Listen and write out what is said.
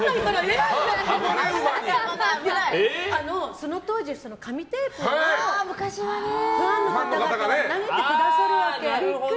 その当時、紙テープをファンの方々が投げてくださるわけ。